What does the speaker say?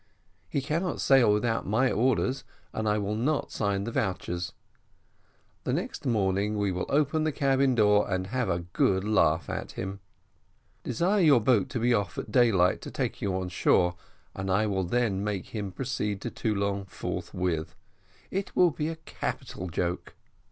He cannot sail without my orders, and I will not sign the vouchers. The next morning we will open the cabin door and have a good laugh at him. Desire your boat to be off at daylight to take you on shore, and I will then make him proceed to Toulon forthwith. It will be a capital joke."